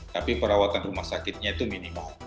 tapi perawatan rumah sakitnya itu minimal